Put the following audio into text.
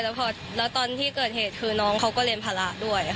แล้วตอนที่เกิดเหตุคือน้องเขาก็เรียนภาระด้วย